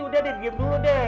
udah deh di diam dulu deh